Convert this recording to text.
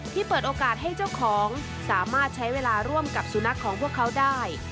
เปิดโอกาสให้เจ้าของสามารถใช้เวลาร่วมกับสุนัขของพวกเขาได้